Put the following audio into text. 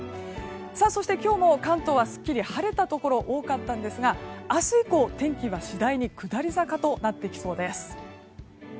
そして今日も関東はすっきり晴れたところが多かったんですが明日以降、天気は次第に下り坂となってきそうです。